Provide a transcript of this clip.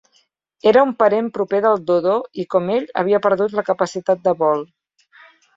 Era un parent proper del dodo i, com ell, havia perdut la capacitat de vol.